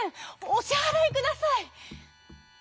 おしはらいください」。